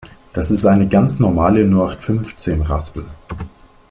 Das ist eine ganz normale Nullachtfünfzehn-Raspel.